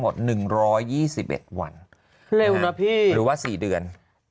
เร็วนะพี่หรือว่า๔เดือน